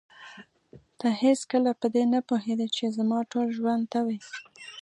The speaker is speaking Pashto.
ته هېڅکله په دې نه پوهېدې چې زما ټول ژوند ته وې.